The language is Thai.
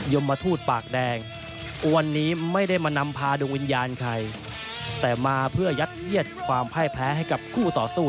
มทูตปากแดงวันนี้ไม่ได้มานำพาดวงวิญญาณใครแต่มาเพื่อยัดเยียดความพ่ายแพ้ให้กับคู่ต่อสู้